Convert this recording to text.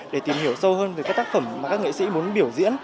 để tìm hiểu sâu hơn về các tác phẩm mà các nghệ sĩ muốn biểu diễn